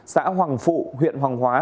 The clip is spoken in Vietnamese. xã hoàng phụ huyện hoàng hóa